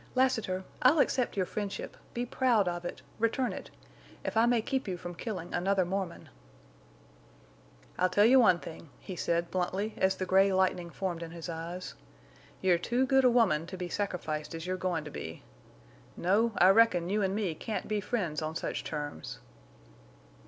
"Lassiter! I'll accept your friendship—be proud of it—return it—if I may keep you from killing another Mormon." "I'll tell you one thing," he said, bluntly, as the gray lightning formed in his eyes. "You're too good a woman to be sacrificed as you're goin' to be.... No, I reckon you an' me can't be friends on such terms."